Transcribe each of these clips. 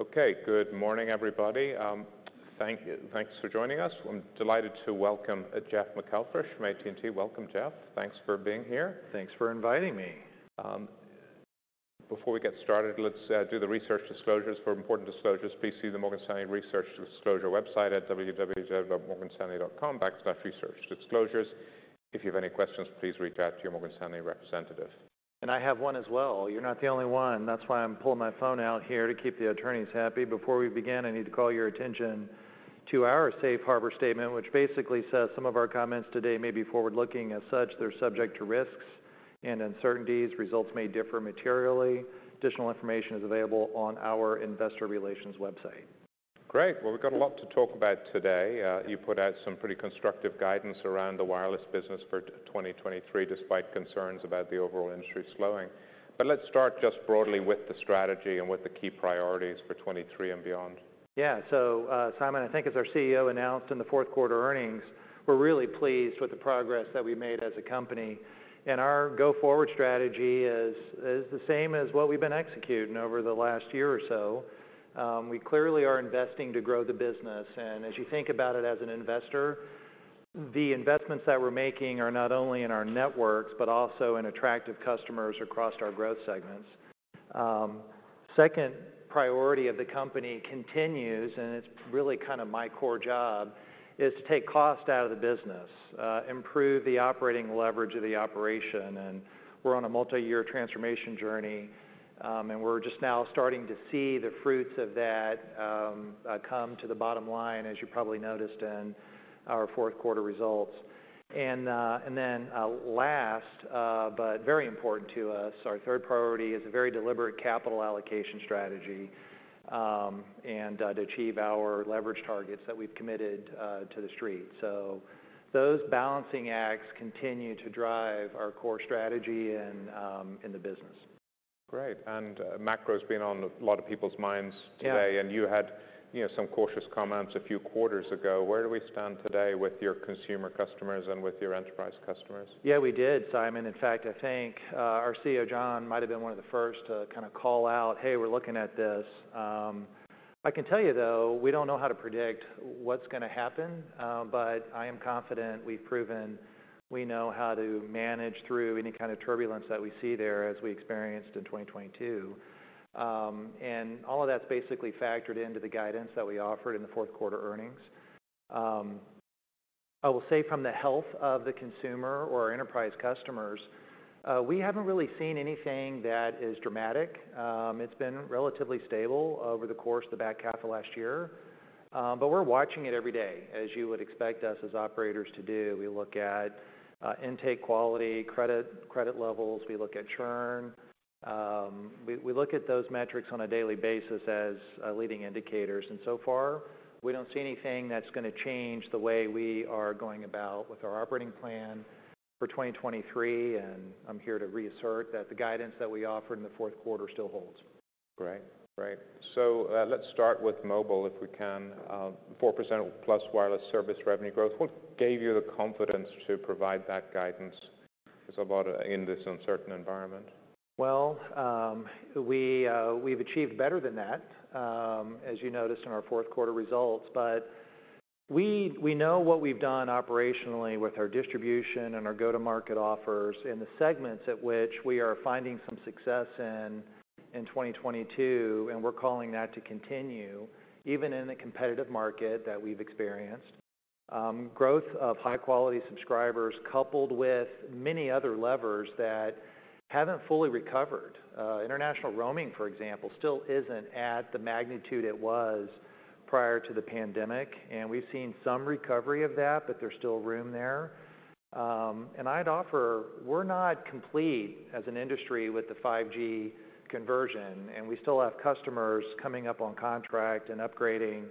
Okay, good morning, everybody. Thank you. Thanks for joining us. I'm delighted to welcome Jeff McElfresh from AT&T. Welcome, Jeff. Thanks for being here. Thanks for inviting me. Before we get started, let's do the research disclosures. For important disclosures, please see the Morgan Stanley Research Disclosure website at www.morganstanley.com/researchdisclosures. If you have any questions, please reach out to your Morgan Stanley representative. I have one as well. You're not the only one. That's why I'm pulling my phone out here to keep the attorneys happy. Before we begin, I need to call your attention to our safe harbor statement, which basically says some of our comments today may be forward-looking. As such, they're subject to risks and uncertainties. Results may differ materially. Additional information is available on our investor relations website. Great. Well, we've got a lot to talk about today. You put out some pretty constructive guidance around the wireless business for 2023, despite concerns about the overall industry slowing. Let's start just broadly with the strategy and with the key priorities for 2023 and beyond. Simon, I think as our CEO announced in the Q4 earnings, we're really pleased with the progress that we made as a company, and our go-forward strategy is the same as what we've been executing over the last year or so. We clearly are investing to grow the business, and as you think about it as an investor, the investments that we're making are not only in our networks, but also in attractive customers across our growth segments. Second priority of the company continues, and it's really kind of my core job, is to take cost out of the business, improve the operating leverage of the operation, and we're on a multi-year transformation journey, and we're just now starting to see the fruits of that come to the bottom line, as you probably noticed in our Q4 results Then, last, but very important to us, our third priority is a very deliberate capital allocation strategy, and to achieve our leverage targets that we've committed to the street. Those balancing acts continue to drive our core strategy and in the business. Great. Macro's been on a lot of people's minds today. Yeah. You had, you know, some cautious comments a few quarters ago. Where do we stand today with your consumer customers and with your enterprise customers? Yeah, we did, Simon. In fact, I think, our CEO, John, might have been one of the first to kind of call out, "Hey, we're looking at this." I can tell you though, we don't know how to predict what's gonna happen, but I am confident we've proven we know how to manage through any kind of turbulence that we see there as we experienced in 2022. All of that's basically factored into the guidance that we offered in the Q4 earnings. I will say from the health of the consumer or our enterprise customers, we haven't really seen anything that is dramatic. It's been relatively stable over the course of the back half of last year, but we're watching it every day, as you would expect us as operators to do. We look at intake quality, credit levels. We look at churn. We look at those metrics on a daily basis as leading indicators. So far, we don't see anything that's gonna change the way we are going about with our operating plan for 2023, and I'm here to reassert that the guidance that we offered in the Q4 still holds. Great. Great. Let's start with mobile, if we can. +4% wireless service revenue growth. What gave you the confidence to provide that guidance as about, in this uncertain environment? We've achieved better than that, as you noticed in our Q4 results. We know what we've done operationally with our distribution and our go-to-market offers in the segments at which we are finding some success in 2022, and we're calling that to continue even in the competitive market that we've experienced. Growth of high-quality subscribers coupled with many other levers that haven't fully recovered. International roaming, for example, still isn't at the magnitude it was prior to the pandemic, and we've seen some recovery of that, but there's still room there. I'd offer we're not complete as an industry with the 5G conversion, and we still have customers coming up on contract and upgrading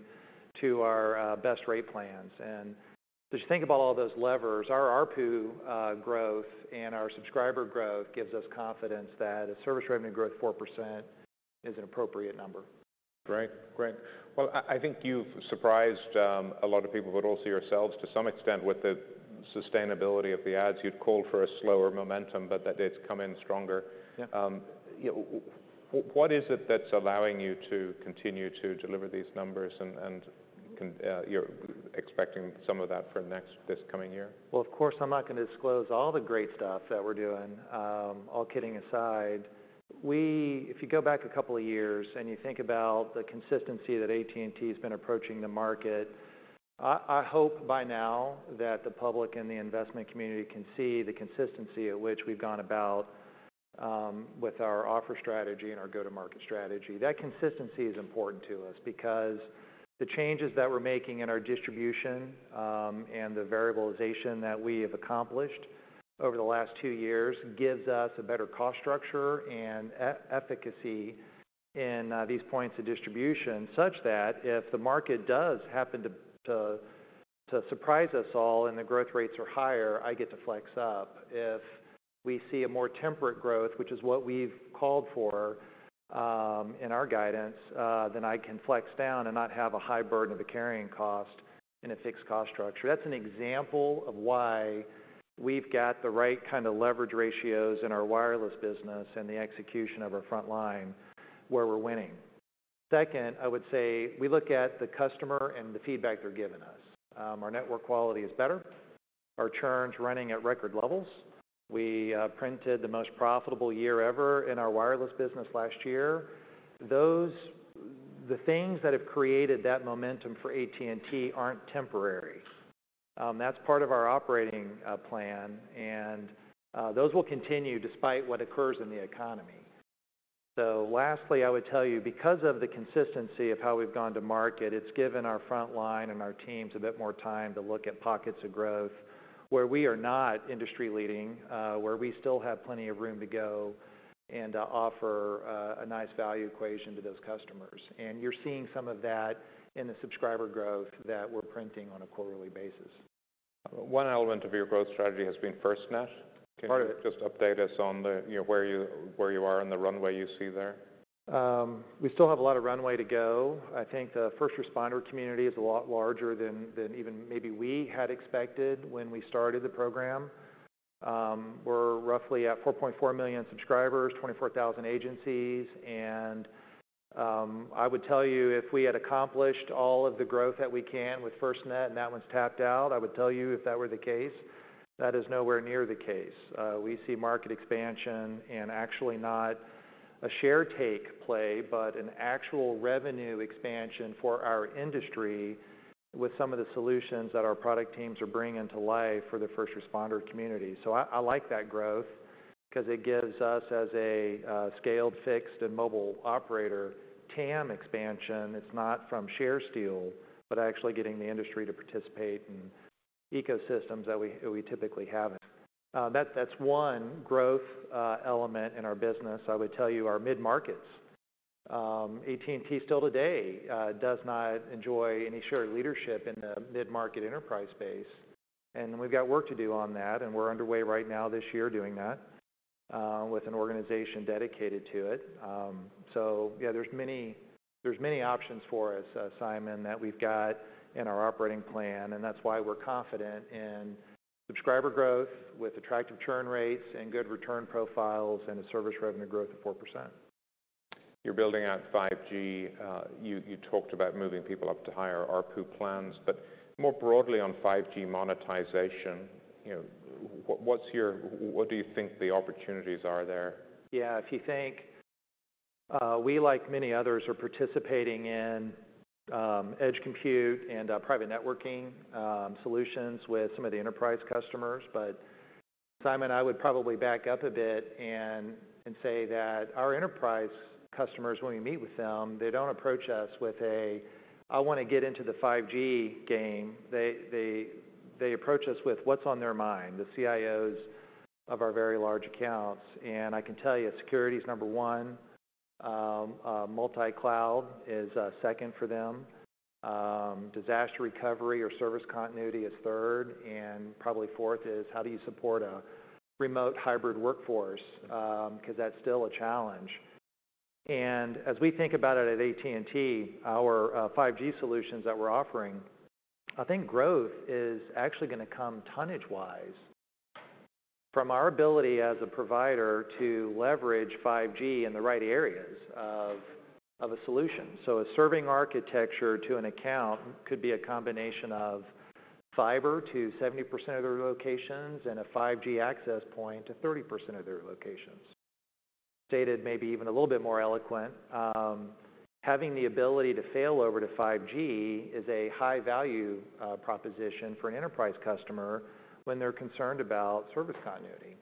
to our best rate plans. As you think about all those levers, our ARPU growth and our subscriber growth gives us confidence that a service revenue growth 4% is an appropriate number. Great. Well, I think you've surprised a lot of people, also yourselves to some extent with the sustainability of the ads. You'd called for a slower momentum, that it's come in stronger. Yeah. You know, what is it that's allowing you to continue to deliver these numbers and you're expecting some of that for next, this coming year? Of course, I'm not gonna disclose all the great stuff that we're doing. All kidding aside, if you go back a couple of years and you think about the consistency that AT&T's been approaching the market, I hope by now that the public and the investment community can see the consistency at which we've gone about with our offer strategy and our go-to-market strategy. That consistency is important to us because the changes that we're making in our distribution and the variabilization that we have accomplished over the last two years gives us a better cost structure and efficacy in these points of distribution, such that if the market does happen to surprise us all and the growth rates are higher, I get to flex up. If we see a more temperate growth, which is what we've called for, in our guidance, then I can flex down and not have a high burden of the carrying cost in a fixed cost structure. That's an example of why we've got the right kind of leverage ratios in our wireless business and the execution of our front line where we're winning. Second, I would say we look at the customer and the feedback they're giving us. Our network quality is better. Our churn's running at record levels. We printed the most profitable year ever in our wireless business last year. The things that have created that momentum for AT&T aren't temporary. That's part of our operating plan, and those will continue despite what occurs in the economy. Lastly, I would tell you, because of the consistency of how we've gone to market, it's given our front line and our teams a bit more time to look at pockets of growth where we are not industry leading, where we still have plenty of room to go and offer a nice value equation to those customers. You're seeing some of that in the subscriber growth that we're printing on a quarterly basis. One element of your growth strategy has been FirstNet. Part of it. Can you just update us on the, you know, where you, where you are in the runway you see there? We still have a lot of runway to go. I think the first responder community is a lot larger than even maybe we had expected when we started the program. We're roughly at 4.4 million subscribers, 24,000 agencies. I would tell you if we had accomplished all of the growth that we can with FirstNet and that one's tapped out, I would tell you if that were the case. That is nowhere near the case. We see market expansion and actually not a share take play, but an actual revenue expansion for our industry with some of the solutions that our product teams are bringing to life for the first responder community. I like that growth because it gives us, as a scaled fixed and mobile operator, TAM expansion. It's not from share steal, but actually getting the industry to participate in ecosystems that we typically haven't. That's one growth element in our business. I would tell you our mid-markets, AT&T still today, does not enjoy any shared leadership in the mid-market enterprise space. We've got work to do on that, and we're underway right now this year doing that with an organization dedicated to it. Yeah, there's many options for us, Simon, that we've got in our operating plan, and that's why we're confident in subscriber growth with attractive churn rates and good return profiles and a service revenue growth of 4%. You're building out 5G. you talked about moving people up to higher ARPU plans, more broadly on 5G monetization, you know, what do you think the opportunities are there? Yeah. If you think, we, like many others, are participating in edge compute and private networking solutions with some of the enterprise customers. Simon, I would probably back up a bit and say that our enterprise customers, when we meet with them, they don't approach us with a, "I want to get into the 5G game." They approach us with what's on their mind, the CIOs of our very large accounts. I can tell you security is number one. multi-cloud is second for them. disaster recovery or service continuity is third, and probably fourth is how do you support a remote hybrid workforce? 'cause that's still a challenge. As we think about it at AT&T, our 5G solutions that we're offering, I think growth is actually gonna come tonnage-wise from our ability as a provider to leverage 5G in the right areas of a solution. A serving architecture to an account could be a combination of fiber to 70% of their locations and a 5G access point to 30% of their locations. Stated maybe even a little bit more eloquent, having the ability to fail over to 5G is a high value proposition for an enterprise customer when they're concerned about service continuity.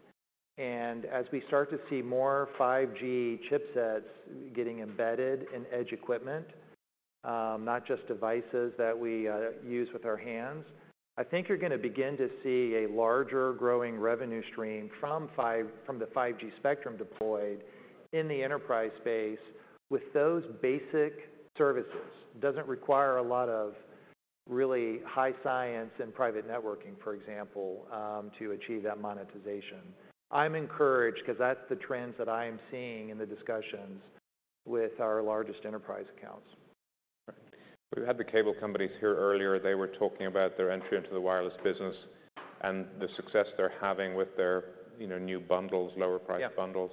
As we start to see more 5G chipsets getting embedded in edge equipment, not just devices that we use with our hands, I think you're gonna begin to see a larger growing revenue stream from the 5G spectrum deployed in the enterprise space with those basic services. Doesn't require a lot of really high science and private networking, for example, to achieve that monetization. I'm encouraged 'cause that's the trends that I am seeing in the discussions with our largest enterprise accounts. We had the cable companies here earlier. They were talking about their entry into the wireless business and the success they're having with their, you know, new bundles, lower priced bundles.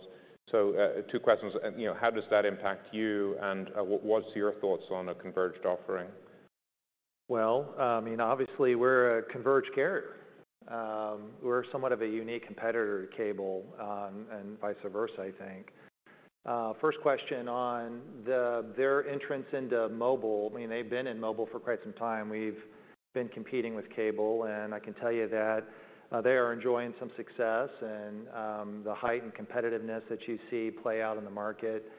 Yeah. Two questions. You know, how does that impact you, and what's your thoughts on a converged offering? Well, I mean, obviously we're a converged carrier. We're somewhat of a unique competitor to cable, and vice versa, I think. First question on their entrance into mobile, I mean, they've been in mobile for quite some time. We've been competing with cable, and I can tell you that, they are enjoying some success and, the height and competitiveness that you see play out in the market,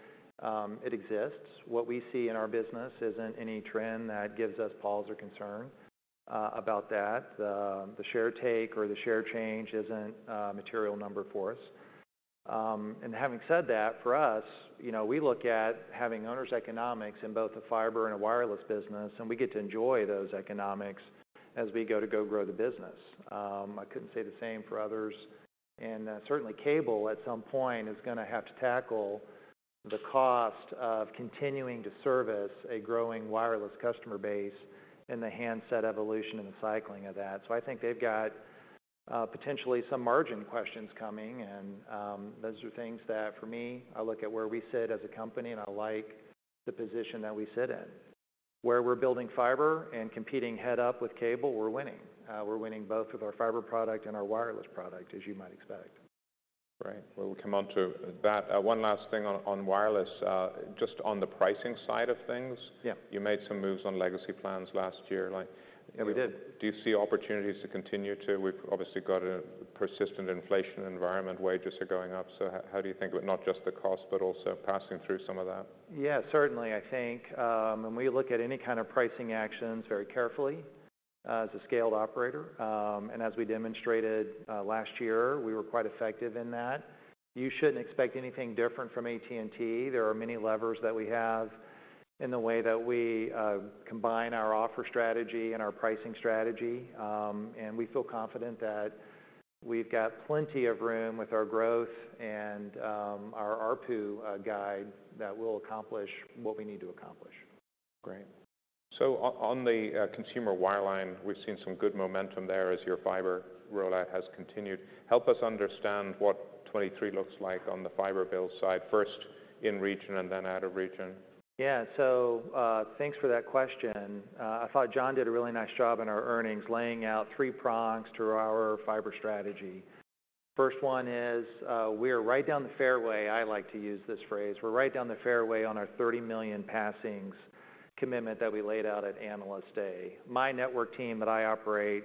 it exists. What we see in our business isn't any trend that gives us pause or concern about that. The share take or the share change isn't a material number for us. Having said that, for us, you know, we look at having owners' economics in both the fiber and wireless business, and we get to enjoy those economics as we grow the business. I couldn't say the same for others. Certainly cable at some point is gonna have to tackle the cost of continuing to service a growing wireless customer base and the handset evolution and the cycling of that. I think they've got, potentially some margin questions coming and, those are things that for me, I look at where we sit as a company and I like the position that we sit in. Where we're building fiber and competing head up with cable, we're winning. We're winning both with our fiber product and our wireless product, as you might expect. Right. Well, we'll come on to that. One last thing on wireless, just on the pricing side of things. Yeah. You made some moves on legacy plans last year, like... Yeah, we did. Do you see opportunities to continue to? We've obviously got a persistent inflation environment, wages are going up. How do you think of it? Not just the cost, but also passing through some of that? Yeah, certainly, I think, when we look at any kind of pricing actions very carefully, as a scaled operator, and as we demonstrated, last year, we were quite effective in that. You shouldn't expect anything different from AT&T. There are many levers that we have in the way that we combine our offer strategy and our pricing strategy, and we feel confident that we've got plenty of room with our growth and our ARPU guide that we'll accomplish what we need to accomplish. Great. On the consumer wireline, we've seen some good momentum there as your fiber rollout has continued. Help us understand what 2023 looks like on the fiber build side, first in region and then out of region. Yeah. Thanks for that question. I thought John did a really nice job in our earnings, laying out three prongs to our fiber strategy. First one is, we are right down the fairway. I like to use this phrase. We're right down the fairway on our 30 million passings commitment that we laid out at Analyst Day. My network team that I operate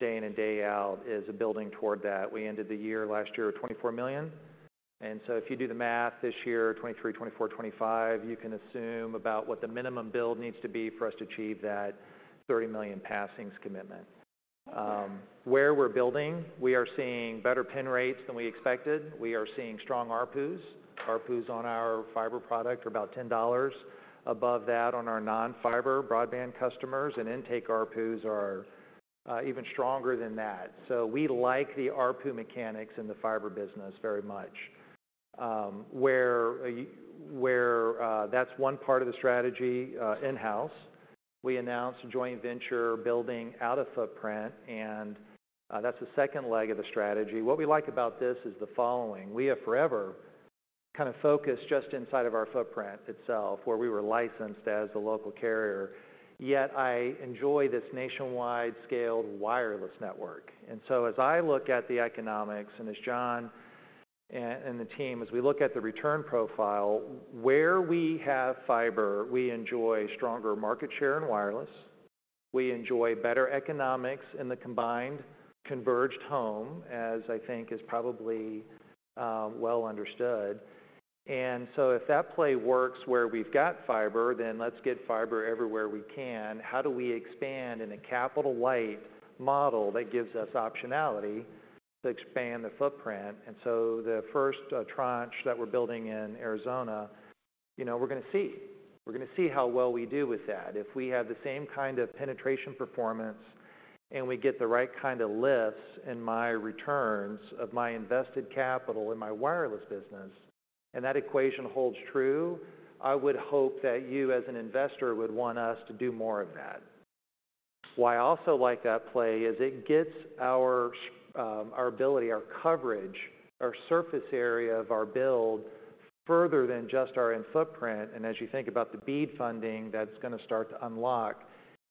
day in and day out is building toward that. We ended the year last year at 24 million. If you do the math this year, 2023, 2024, 2025, you can assume about what the minimum build needs to be for us to achieve that 30 million passings commitment. Where we're building, we are seeing better pen rates than we expected. We are seeing strong ARPUs. ARPUs on our fiber product are about $10 above that on our non-fiber broadband customers, and intake ARPUs are even stronger than that. We like the ARPU mechanics in the fiber business very much. Where that's one part of the strategy in-house. We announced a joint venture building out of footprint, and that's the second leg of the strategy. What we like about this is the following: We have forever kind of focused just inside of our footprint itself, where we were licensed as the local carrier, yet I enjoy this nationwide scaled wireless network. As I look at the economics, and as John and the team, as we look at the return profile, where we have fiber, we enjoy stronger market share and wireless. We enjoy better economics in the combined converged home, as I think is probably, well understood. If that play works where we've got fiber, then let's get fiber everywhere we can. How do we expand in a capital light model that gives us optionality to expand the footprint? The first tranche that we're building in Arizona, you know, we're gonna see how well we do with that. If we have the same kind of penetration performance, and we get the right kind of lifts in my returns of my invested capital in my wireless business, and that equation holds true, I would hope that you, as an investor, would want us to do more of that. Why I also like that play is it gets our ability, our coverage, our surface area of our build further than just our in-footprint. As you think about the BEAD funding that's gonna start to unlock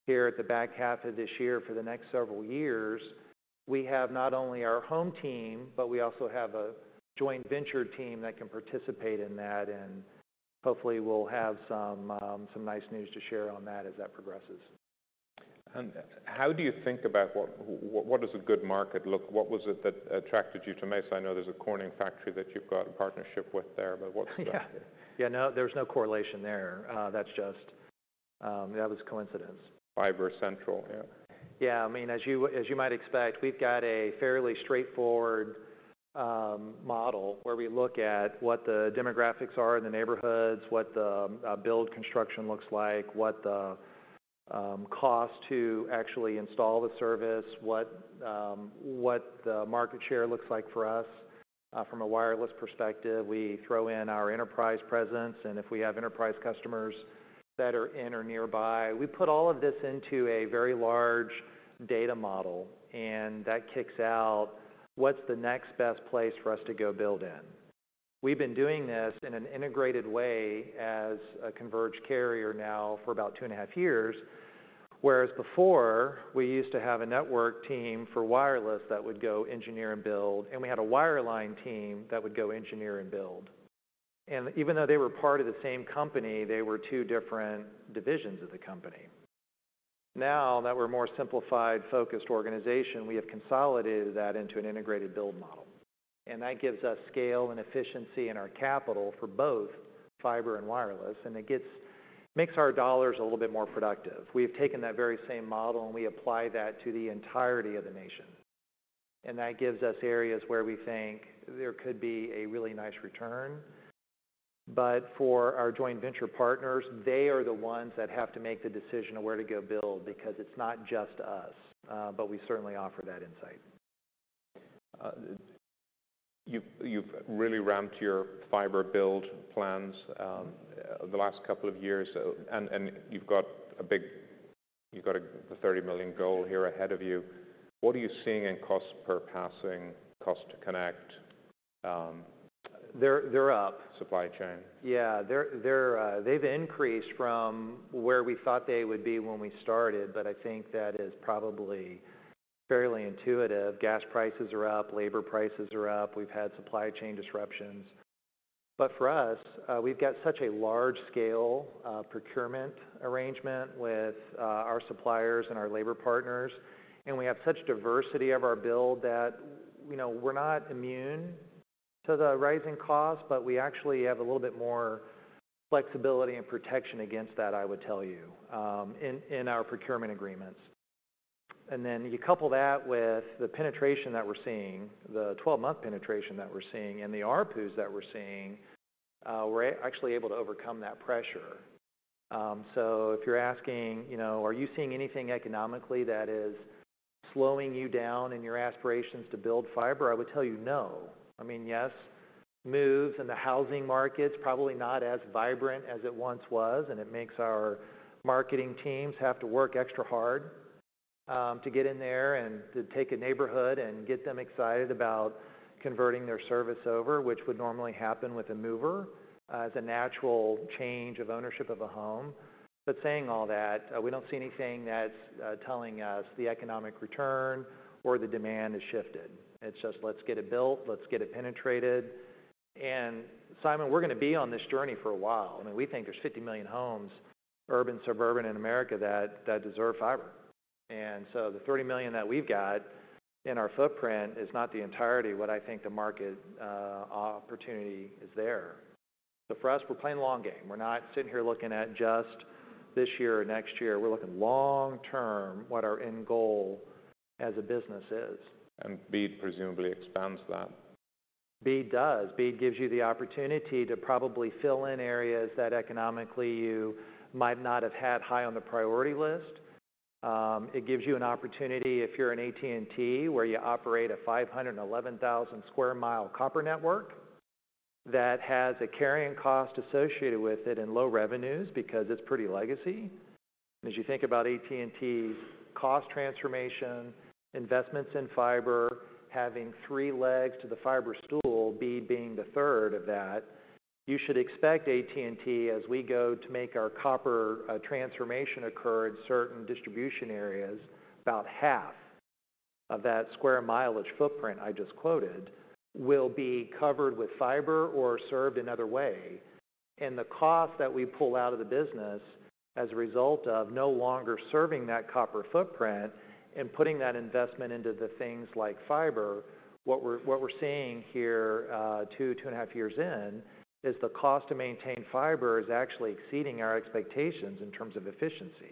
here at the back half of this year for the next several years, we have not only our home team, but we also have a joint venture team that can participate in that, and hopefully we'll have some nice news to share on that as that progresses. How do you think about what does a good market look? What was it that attracted you to Mesa? I know there's a Corning factory that you've got a partnership with there, but what's the- Yeah, no, there's no correlation there. That's just, that was coincidence. Fiber central, yeah. I mean, as you might expect, we've got a fairly straightforward model where we look at what the demographics are in the neighborhoods, what the build construction looks like, what the cost to actually install the service, what the market share looks like for us from a wireless perspective. We throw in our enterprise presence, and if we have enterprise customers that are in or nearby. We put all of this into a very large data model, that kicks out what's the next best place for us to go build in. We've been doing this in an integrated way as a converged carrier now for about two and a half years, whereas before we used to have a network team for wireless that would go engineer and build, and we had a wireline team that would go engineer and build. Even though they were part of the same company, they were two different divisions of the company. Now that we're a more simplified, focused organization, we have consolidated that into an integrated build model, and that gives us scale and efficiency in our capital for both fiber and wireless, and it makes our dollars a little bit more productive. We have taken that very same model, and we apply that to the entirety of the nation, and that gives us areas where we think there could be a really nice return. For our joint venture partners, they are the ones that have to make the decision of where to go build because it's not just us, but we certainly offer that insight. You've really ramped your fiber build plans the last couple of years, and you've got a 30 million goal here ahead of you. What are you seeing in cost per passing, cost to connect? They're up. Supply chain? Yeah. They've increased from where we thought they would be when we started. I think that is probably fairly intuitive. Gas prices are up, labor prices are up. We've had supply chain disruptions. For us, we've got such a large scale procurement arrangement with our suppliers and our labor partners, and we have such diversity of our build that, you know, we're not immune to the rising cost, but we actually have a little bit more flexibility and protection against that, I would tell you, in our procurement agreements. You couple that with the penetration that we're seeing, the 12-month penetration that we're seeing, and the ARPU that we're seeing, we're actually able to overcome that pressure. If you're asking, you know, are you seeing anything economically that is slowing you down in your aspirations to build fiber, I would tell you no. I mean, yes, moves in the housing market's probably not as vibrant as it once was, and it makes our marketing teams have to work extra hard to get in there and to take a neighborhood and get them excited about converting their service over, which would normally happen with a mover as a natural change of ownership of a home. Saying all that, we don't see anything that's telling us the economic return or the demand has shifted. It's just, let's get it built. Let's get it penetrated. Simon, we're gonna be on this journey for a while. I mean, we think there's 50 million homes, urban, suburban, in America that deserve fiber. The 30 million that we've got in our footprint is not the entirety what I think the market opportunity is there. For us, we're playing long game. We're not sitting here looking at just this year or next year. We're looking long term what our end goal as a business is. BEAD presumably expands that. BEAD does. BEAD gives you the opportunity to probably fill in areas that economically you might not have had high on the priority list. It gives you an opportunity if you're an AT&T, where you operate a 511,000 square mile copper network that has a carrying cost associated with it and low revenues because it's pretty legacy. As you think about AT&T's cost transformation, investments in fiber, having 3 legs to the fiber stool, BEAD being the third of that, you should expect AT&T, as we go to make our copper transformation occur in certain distribution areas, about half of that square mileage footprint I just quoted will be covered with fiber or served another way. The cost that we pull out of the business as a result of no longer serving that copper footprint and putting that investment into the things like fiber, what we're seeing here, 2 and a half years in, is the cost to maintain fiber is actually exceeding our expectations in terms of efficiency.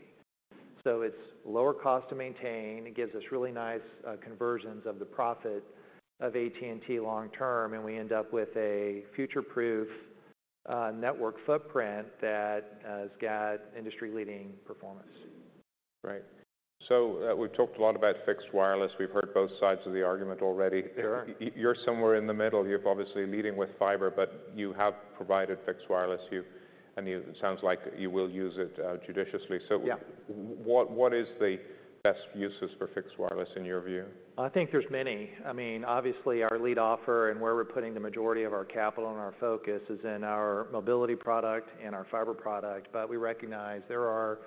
It's lower cost to maintain. It gives us really nice conversions of the profit of AT&T long term. We end up with a future-proof network footprint that has got industry-leading performance. Right. We've talked a lot about fixed wireless. We've heard both sides of the argument already. Sure. You're somewhere in the middle. You're obviously leading with fiber, but you have provided fixed wireless. It sounds like you will use it judiciously. Yeah... what is the best uses for fixed wireless in your view? I think there's many. I mean, obviously, our lead offer and where we're putting the majority of our capital and our focus is in our mobility product and our fiber product. We recognize there are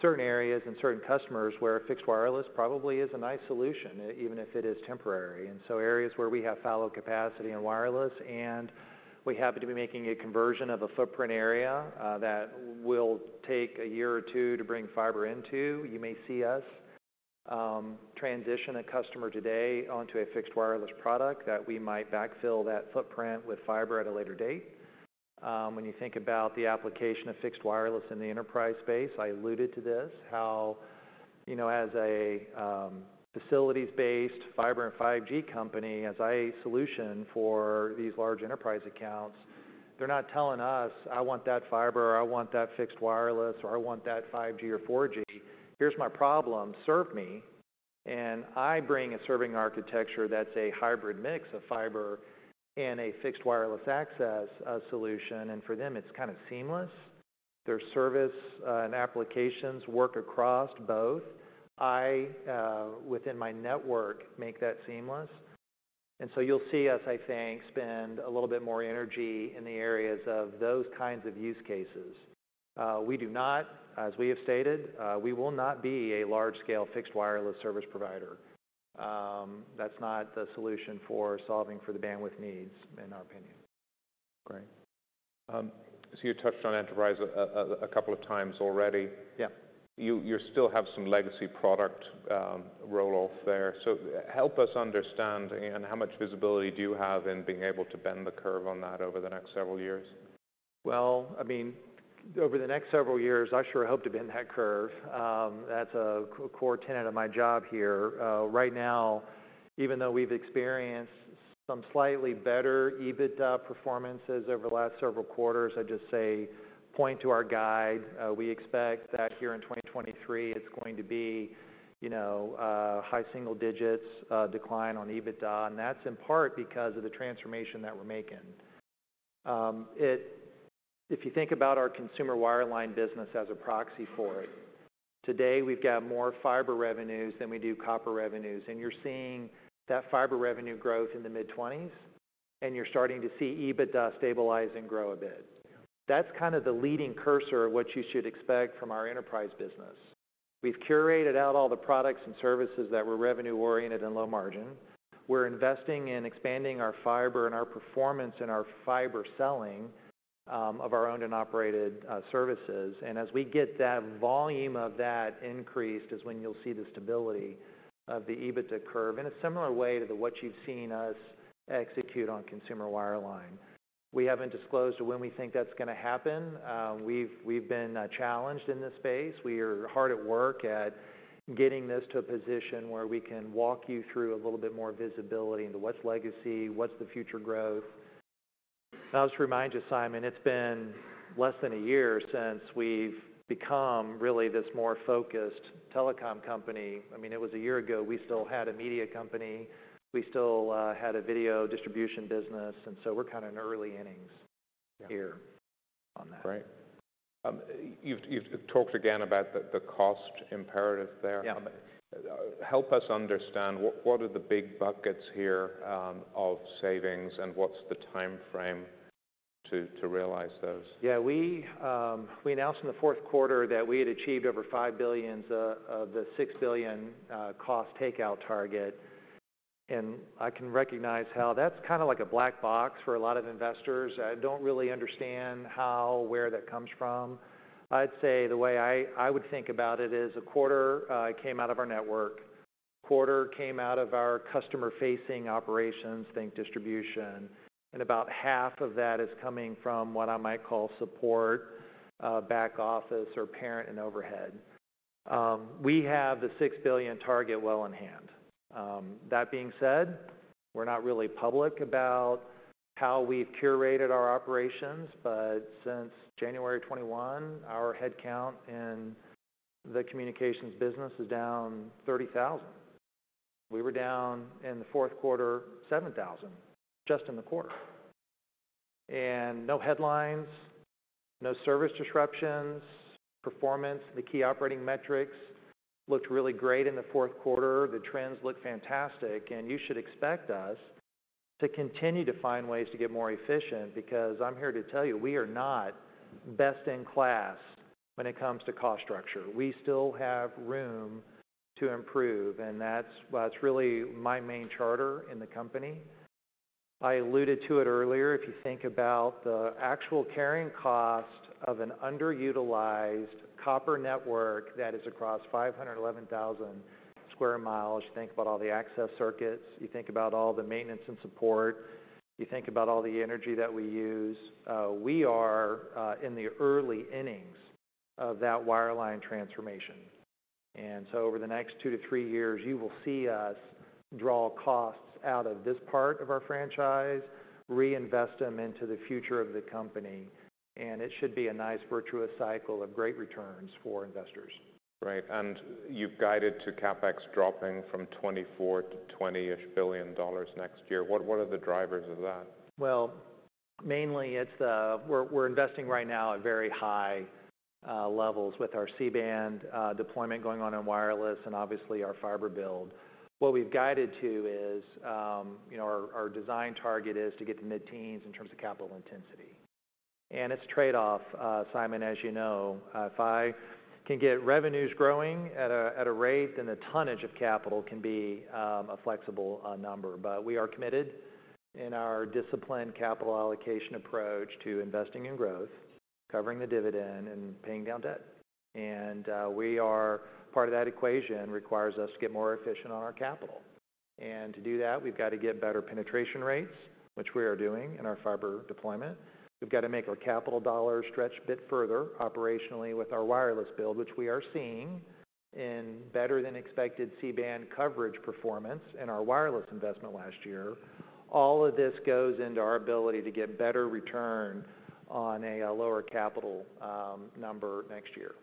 certain areas and certain customers where fixed wireless probably is a nice solution, even if it is temporary. Areas where we have fallow capacity in wireless and we happen to be making a conversion of a footprint area, that will take a year or two to bring fiber into, you may see us transition a customer today onto a fixed wireless product that we might backfill that footprint with fiber at a later date. When you think about the application of fixed wireless in the enterprise space, I alluded to this, how, you know, as a facilities-based fiber and 5G company, as a solution for these large enterprise accounts, they're not telling us, "I want that fiber," or, "I want that fixed wireless," or, "I want that 5G or 4G." "Here's my problem. Serve me." I bring a serving architecture that's a hybrid mix of fiber and a fixed wireless access solution, and for them, it's kind of seamless. Their service and applications work across both. I within my network, make that seamless. You'll see us, I think, spend a little bit more energy in the areas of those kinds of use cases. We do not, as we have stated, we will not be a large-scale fixed wireless service provider. That's not the solution for solving for the bandwidth needs, in our opinion. Great. You touched on enterprise a couple of times already. Yeah. You still have some legacy product, roll-off there. Help us understand and how much visibility do you have in being able to bend the curve on that over the next several years? Well, I mean, over the next several years, I sure hope to bend that curve. That's a core tenet of my job here. Right now, even though we've experienced some slightly better EBITDA performances over the last several quarters, I just say point to our guide. We expect that here in 2023 it's going to be, you know, a high single digits decline on EBITDA, and that's in part because of the transformation that we're making. If you think about our consumer wireline business as a proxy for it, today we've got more fiber revenues than we do copper revenues, and you're seeing that fiber revenue growth in the mid-20s, and you're starting to see EBITDA stabilize and grow a bit. That's kind of the leading cursor of what you should expect from our enterprise business. We've curated out all the products and services that were revenue-oriented and low margin. We're investing in expanding our fiber and our performance in our fiber selling of our owned and operated services. As we get that volume of that increased is when you'll see the stability of the EBITDA curve in a similar way to what you've seen us execute on consumer wireline. We haven't disclosed when we think that's gonna happen. We've been challenged in this space. We are hard at work at getting this to a position where we can walk you through a little bit more visibility into what's legacy, what's the future growth. I'll just remind you, Simon, it's been less than a year since we've become really this more focused telecom company. I mean, it was a year ago, we still had a media company, we still had a video distribution business, we're kind of in early innings here on that. Right. You've talked again about the cost imperative there. Yeah. Help us understand what are the big buckets here of savings, and what's the timeframe to realize those? Yeah. We announced in the Q4 that we had achieved over $5 billions of the $6 billion cost takeout target. I can recognize how that's kinda like a black box for a lot of investors, don't really understand how where that comes from. I'd say the way I would think about it is a quarter came out of our network, quarter came out of our customer-facing operations, think distribution, and about half of that is coming from what I might call support, back office or parent and overhead. We have the $6 billion target well in hand. That being said, we're not really public about how we've curated our operations. Since January 2021, our head count in the communications business is down 30,000. We were down in the Q4, 7,000, just in the quarter. No headlines, no service disruptions, performance, the key operating metrics looked really great in the Q4. The trends look fantastic, and you should expect us to continue to find ways to get more efficient, because I'm here to tell you, we are not best in class when it comes to cost structure. We still have room to improve, and that's, well, it's really my main charter in the company. I alluded to it earlier. If you think about the actual carrying cost of an underutilized copper network that is across 511,000 square miles, you think about all the access circuits, you think about all the maintenance and support, you think about all the energy that we use, we are in the early innings of that wireline transformation. Over the next two to three years, you will see us draw costs out of this part of our franchise, reinvest them into the future of the company, and it should be a nice virtuous cycle of great returns for investors. Right. You've guided to CapEx dropping from $24 billion to $20-ish billion next year. What are the drivers of that? Well, mainly it's, we're investing right now at very high levels with our C-band deployment going on in wireless and obviously our fiber build. What we've guided to is, you know, our design target is to get to mid-teens in terms of capital intensity. It's trade-off, Simon, as you know. If I can get revenues growing at a rate, then the tonnage of capital can be a flexible number. We are committed in our disciplined capital allocation approach to investing in growth, covering the dividend and paying down debt. Part of that equation requires us to get more efficient on our capital. To do that, we've got to get better penetration rates, which we are doing in our fiber deployment. We've got to make our capital dollar stretch a bit further operationally with our wireless build, which we are seeing in better than expected C-band coverage performance in our wireless investment last year. All of this goes into our ability to get better return on a lower capital number next year.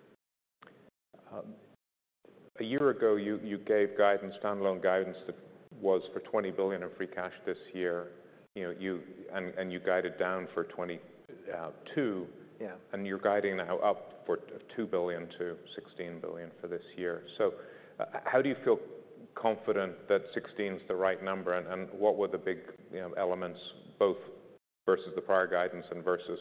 A year ago, you gave guidance, standalone guidance that was for $20 billion in free cash this year. You know, you guided down for 2022. Yeah. You're guiding now up for $2 billion to $16 billion for this year. How do you feel confident that 16 is the right number, and what were the big, you know, elements both versus the prior guidance and versus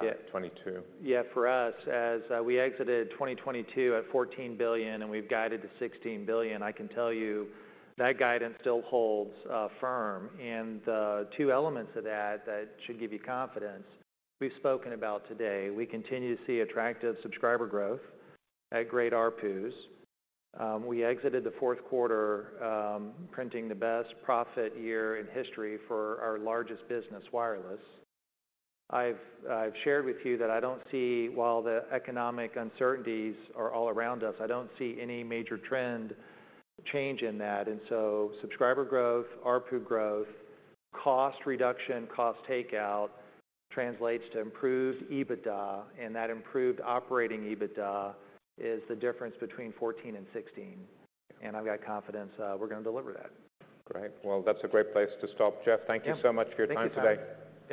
2022? Yeah. For us, as we exited 2022 at $14 billion and we've guided to $16 billion, I can tell you that guidance still holds firm. The two elements of that that should give you confidence, we've spoken about today. We continue to see attractive subscriber growth at great ARPUs. We exited the Q4, printing the best profit year in history for our largest business, wireless. I've shared with you that I don't see, while the economic uncertainties are all around us, I don't see any major trend change in that. Subscriber growth, ARPU growth, cost reduction, cost takeout translates to improved EBITDA, and that improved operating EBITDA is the difference between $14 and $16. I've got confidence, we're gonna deliver that. Great. Well, that's a great place to stop. Jeff, thank you so much for your time today.